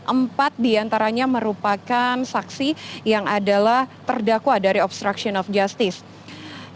empat diantaranya merupakan saksi yang adalah terdakwa dari obstruction of justice